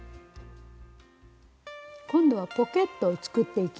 今度はポケットを作っていきます。